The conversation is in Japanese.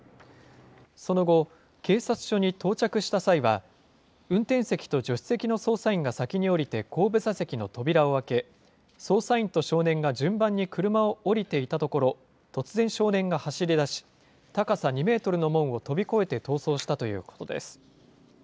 その後、警察署に到着した際は、運転席と助手席の捜査員が先に降りて後部座席の扉を開け、捜査員と少年が順番に車を降りていたところ、突然少年が走りだし、高さ２メートルの門を飛び越えて逃走したということです。